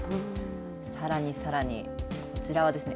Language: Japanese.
さらにさらにこちらはですね